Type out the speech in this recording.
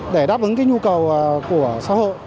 để đáp ứng cái nhu cầu của xã hội